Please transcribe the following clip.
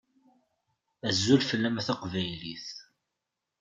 Azul fell-am a taqbaylit.